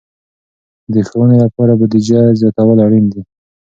د ښوونې لپاره بودیجه زیاتول اړین دي.